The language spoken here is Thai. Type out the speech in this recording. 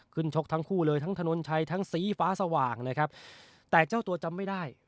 ชกทั้งคู่เลยทั้งถนนชัยทั้งสีฟ้าสว่างนะครับแต่เจ้าตัวจำไม่ได้